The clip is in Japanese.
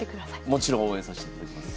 もちろん応援さしていただきます。